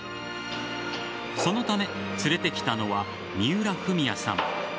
そのため連れてきたのは三浦史也さん。